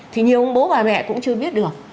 thì nhiều bố bà mẹ cũng chưa biết được